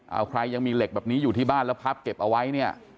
เอาใครยังมีเหล็กแบบนี้อยู่ที่บ้านแล้วพับเก็บเอาไว้เนี่ย